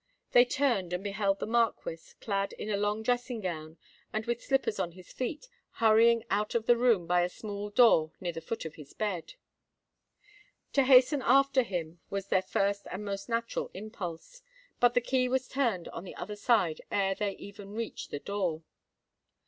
They turned and beheld the Marquis, clad in a long dressing gown and with slippers on his feet, hurrying out of the room by a small door near the foot of his bed. To hasten after him was their first and most natural impulse; but the key was turned on the other side ere they even reached the door.